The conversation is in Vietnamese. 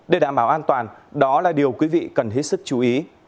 để đảm bảo an toàn đó là điều quý vị cần hết sức chú ý